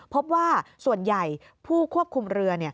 พบว่าส่วนใหญ่ผู้ควบคุมเรือ